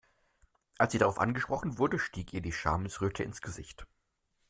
Als sie darauf angesprochen wurde, stieg ihr die Schamesröte ins Gesicht.